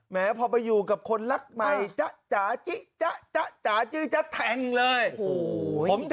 แต่พอมาอยู่กับคนใหม่